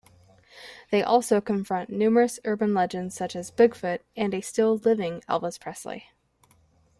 They also confront numerous urban legends such as Bigfoot and a still-living Elvis Presley.